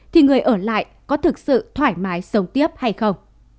thì người ở lại có thực sự thoải mái sống tiếp hay không